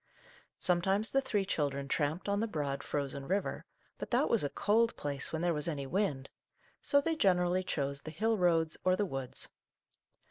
Sometimes the three children tramped on the broad, frozen river, but that was a cold place when there was any wind, so they generally chose the hill roads or the woods.